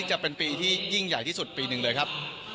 จะเป็นปีที่ยิ่งใหญ่ที่สุดปีหนึ่งเลยครับ